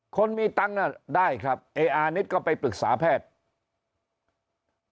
คนมีตังค์น่ะได้ครับเออานิดก็ไปปรึกษาแพทย์